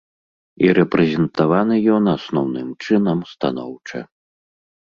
І рэпрэзентаваны ён, асноўным чынам, станоўча.